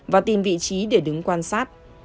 và tìm vị trí để đứng quan sát